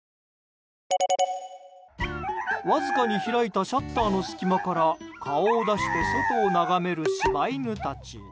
わずかに開いたシャッターの隙間から顔を出して外を眺める柴犬たち。